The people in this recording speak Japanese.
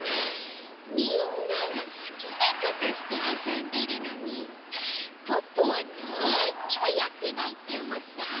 みんなはすきなことしてあそんでるのにポッポはなんにもやってないっておもった？